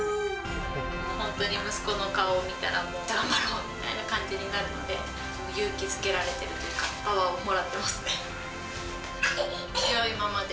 本当に息子の顔を見たら、もう頑張ろうみたいな感じになるので、勇気づけられてるというか、パワーをもらってますね。